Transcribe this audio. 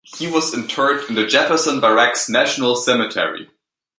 He was interred in the Jefferson Barracks National Cemetery.